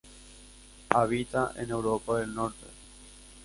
Habita en Europa del Norte.